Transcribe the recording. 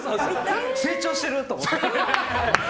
成長してる！と思って。